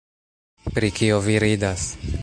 Pri kio vi ridas?